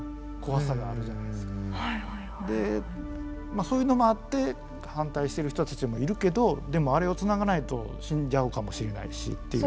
まあそういうのもあって反対してる人たちもいるけどでもあれを繋がないと死んじゃうかもしれないしっていう。